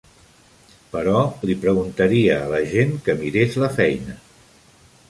Però li preguntaria a la gent que mirés la feina.